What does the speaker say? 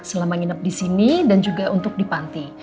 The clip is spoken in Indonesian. selama nginep di sini dan juga untuk di panti